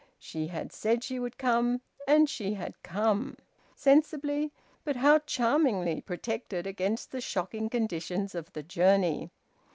She had said she would come, and she had come, sensibly, but how charmingly, protected against the shocking conditions of the journey.